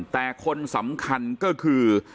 แต่คนสำคัญก็คือ